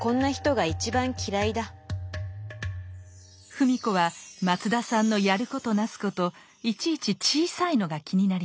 芙美子は松田さんのやることなすこといちいち「小さい」のが気になります。